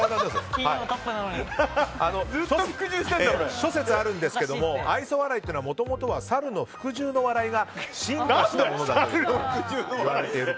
諸説ありますが愛想笑いというのはもともとは猿の服従の笑いが進化したものだと。